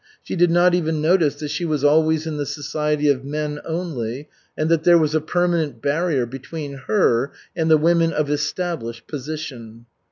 She did not even notice that she was always in the society of men only, and that there was a permanent barrier between her and the women of _established position.